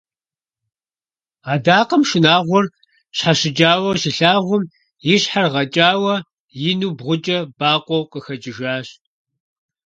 Адакъэм шынагъуэр щхьэщыкӀауэ щилъагъум, и щхьэр гъэкӀауэ, ину бгъукӀэ бакъуэу къыхэкӀыжащ.